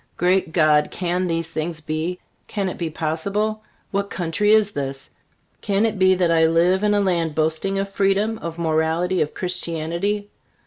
Great God! can these things be? Can it be possible? What country is this? Can it be that I live in a land boasting of freedom, of morality, of Christianity?